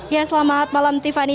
ya selamat malam tiffany